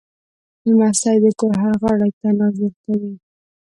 لمسی د کور هر غړي ته ناز ورکوي.